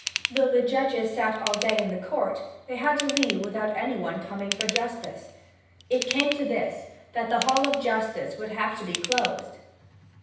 Though the judges sat all day in the court, they had to leave without any one coming for justice. It came to this, that the Hall of Justice would have to be closed!